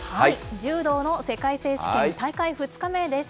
柔道の世界選手権大会２日目です。